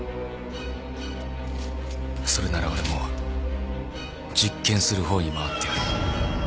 それなら俺も実験するほうに回ってやる。